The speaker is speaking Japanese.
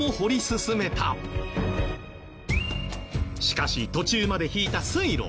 しかし途中まで引いた水路。